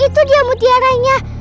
itu dia mutiaranya